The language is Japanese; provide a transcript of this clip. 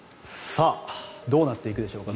さあどうなっていくでしょうか。